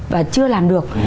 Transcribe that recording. và chưa làm được